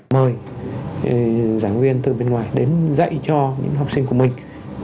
mời giảng viên từ bên ngoài đến dạy cho những học sinh của mình